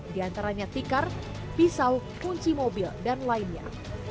di antaranya tikar pisau kunci mobil dan lainnya